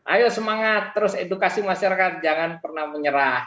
ayo semangat terus edukasi masyarakat jangan pernah menyerah